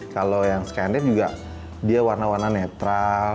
kalau yang skanded juga dia warna warna netral